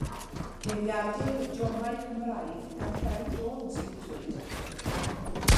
Geiriadur idiomau Cymraeg gan Ceri Jones yw Dweud eich Dweud.